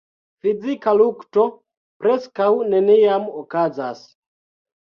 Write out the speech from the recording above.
Fizika lukto preskaŭ neniam okazas.